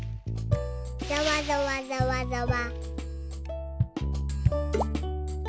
ざわざわざわざわ。